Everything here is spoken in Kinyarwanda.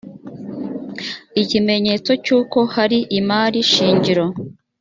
ikimenyetso cy’uko hari imari shingiro